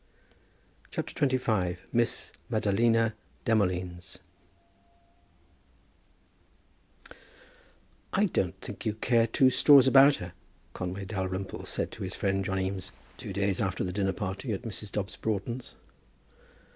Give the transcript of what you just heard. CHAPTER XXV. MISS MADALINA DEMOLINES. "I don't think you care two straws about her," Conway Dalrymple said to his friend John Eames, two days after the dinner party at Mrs. Dobbs Broughton's.